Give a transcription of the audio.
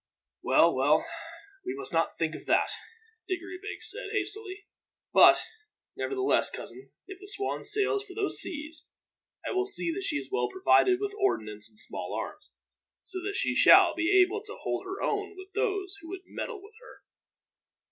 "Well, well, we must not think of that," Diggory Beggs said, hastily; "but, nevertheless, cousin, if the Swan sails for those seas, I will see that she is well provided with ordnance and small arms, so that she shall be able to hold her own with those who would meddle with her."